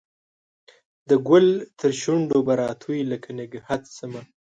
د ګل ترشو نډو به راتوی لکه نګهت شمه